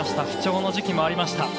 不調の時期もありました。